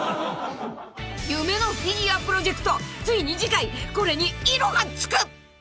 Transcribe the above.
［夢のフィギュアプロジェクトついに次回これに色が付く！］